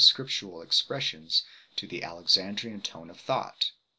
11 scriptural expressions to the Alexandrian tone of thought.